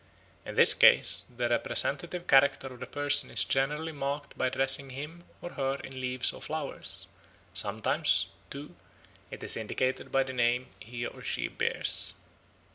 In this case the representative character of the person is generally marked by dressing him or her in leaves or flowers; sometimes, too, it is indicated by the name he or she bears.